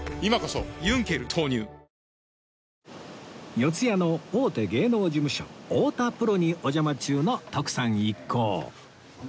四谷の大手芸能事務所太田プロにお邪魔中の徳さん一行